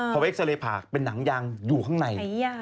พอเอ็กซาเรย์ผากเป็นหนังยางอยู่ข้างใน